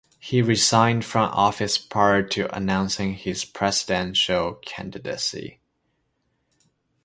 He resigned from office prior to announcing his presidential candidacy.